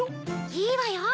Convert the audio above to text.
いいわよ！